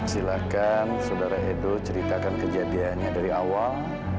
silahkan saudara edo ceritakan kejadiannya dari awal